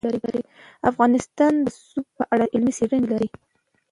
افغانستان د رسوب په اړه علمي څېړنې لري.